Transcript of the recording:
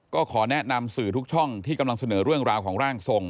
ก็ขอแนะนำสื่อทุกช่องที่กำลังเสนอเรื่องราวของร่างทรง